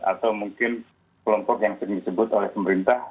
atau mungkin kelompok yang sering disebut oleh pemerintah